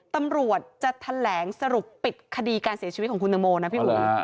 ตำรวจจะแถลงสรุปปิดคดีการเสียชีวิตของคุณตังโมนะพี่อุ๋ย